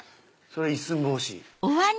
一寸法師。